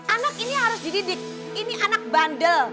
anak ini harus dididik ini anak bandel